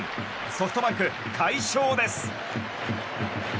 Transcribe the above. ソフトバンク快勝です。